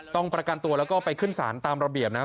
ประกันตัวแล้วก็ไปขึ้นศาลตามระเบียบนะ